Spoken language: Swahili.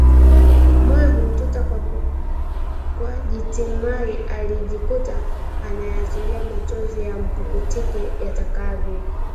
Moyo humtuta kwa jitimai akajikuta anayaachilia machozi yampukutike yatakavyo